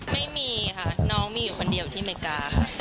ไม่มีค่ะน้องมีอยู่คนเดียวอยู่ที่อเมริกาค่ะ